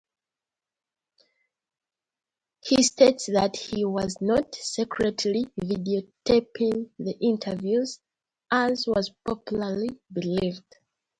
He states that he was not "secretly" videotaping the interviews, as was popularly believed.